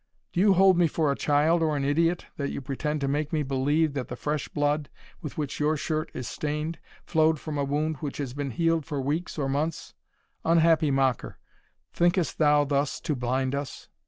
Do you hold me for a child or an idiot, that you pretend to make me believe that the fresh blood with which your shirt is stained, flowed from a wound which has been healed for weeks or months? Unhappy mocker, thinkest thou thus to blind us?